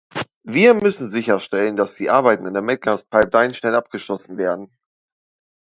Wir müssen sicherstellen, dass die Arbeiten an der Medgaz-Pipeline schnell abgeschlossen werden.